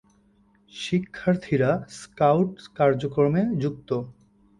শিক্ষার্থীরা স্কাউট কার্যক্রমে যুক্ত।